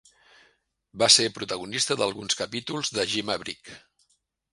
Va ser protagonista d'alguns capítols de Gimme A Break!